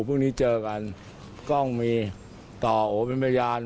พรุ่งนี้เจอกันกล้องมีต่อโอ้เป็นพยาน